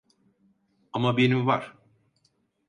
Ama benim var.